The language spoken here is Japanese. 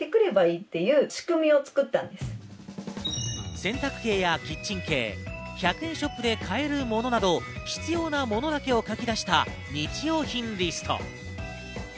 洗濯系やキッチン系、１００円ショップで買えるものなど、必要なものだけを書き出した日用品リスト。